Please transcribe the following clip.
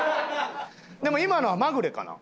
でも今のはまぐれかな？